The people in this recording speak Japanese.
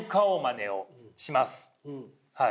はい。